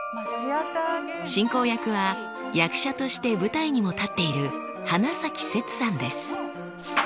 進行役は役者として舞台にも立っている花崎攝さんです。